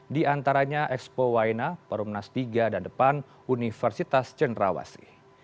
di antaranya expo waena perumnas tiga dan depan universitas cenrawasi